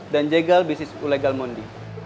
dan jagal bisnis ulegal mondi